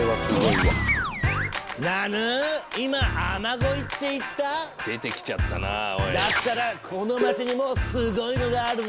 だったらこの街にもすごいのがあるぞ！